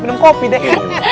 minum kopi deh